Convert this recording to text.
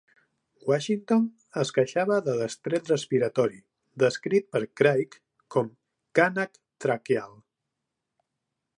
Washington es queixava de destret respiratori, descrit per Craik com "cànnec traqueal".